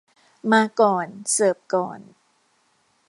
มาก่อน เสิร์ฟก่อน